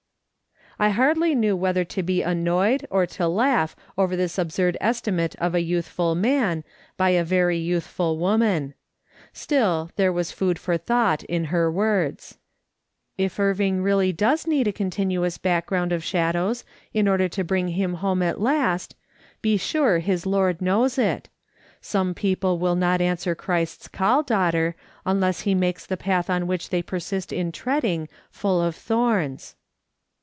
I hardly knew whether to be annoyed or to laugh over this absurd estimate of a youthful man, by a very youthful woman. Still, there was food for thought in her words. " If Irving really does need a continuous back ground of shadows, in order to bring him home at last, be sure his Lord knows it ; some people will not answer Christ's call, daughter, unless he makes the path on which they persist in treading full of thorns